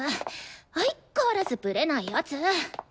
相っ変わらずブレない奴！